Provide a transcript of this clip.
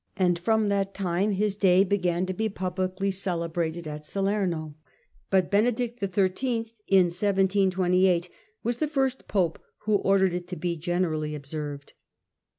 and from that time his day began to be publicly celebrated at Salerno, but Benedict XIII., in 1728, was the first pope who ordered it to be generally observed.